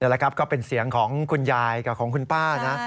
แหละครับก็เป็นเสียงของคุณยายกับของคุณป้านะ